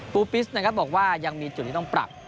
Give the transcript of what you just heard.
ปิสนะครับบอกว่ายังมีจุดที่ต้องปรับ